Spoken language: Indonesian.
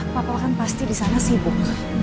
papa kan pasti disana sibuk